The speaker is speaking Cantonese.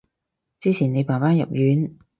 之前你爸爸入院